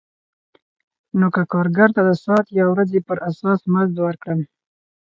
نو که کارګر ته د ساعت یا ورځې پر اساس مزد ورکړم